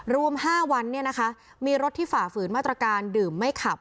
รวม๕วันมีรถที่ฝ่าฝืนมาตรการดื่มไม่ขับ